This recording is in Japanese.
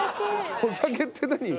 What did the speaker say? お酒って何？